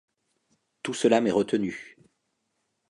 Tout cela m’est retenu.